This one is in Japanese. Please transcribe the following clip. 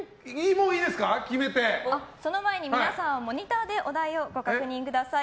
その前に皆さんモニターでお題をご確認ください。